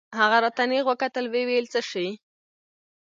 هغه راته نېغ وکتل ويې ويل څه شى.